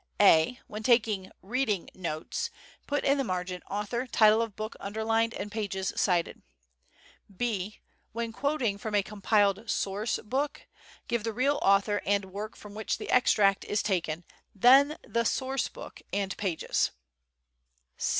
A. When taking "reading notes," put in the margin author, title of book underlined, and pages cited. B. When quoting from a compiled "source book" give the real author and work from which the extract is taken, then the "source book" and pages.